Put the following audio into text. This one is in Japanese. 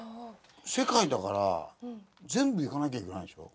「世界」だから全部行かなきゃいけないんでしょ？